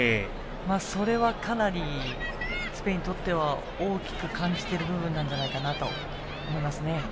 それはかなりスペインにとっては大きく感じている部分だと思います。